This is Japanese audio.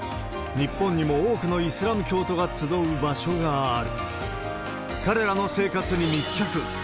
日本にも多くのイスラム教徒が集う場所がある。